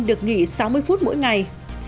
được nghỉ sáu mươi phút mỗi ngày